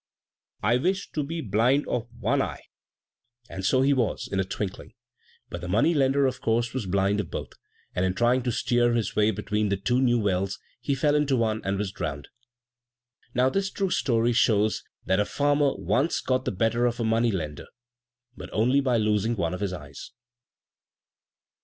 I wish to be blind of one eye!" And so he was, in a twinkling, but the money lender of course was blind of both, and in trying to steer his way between the two new wells, he fell into one, and was drowned. Now this true story shows that a farmer once got the better of a money lender but only by losing one of his eyes.